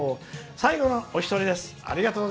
最後のお一人です。